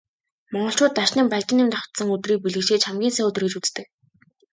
Монголчууд Дашням, Балжинням давхацсан өдрийг бэлгэшээж хамгийн сайн өдөр гэж үздэг.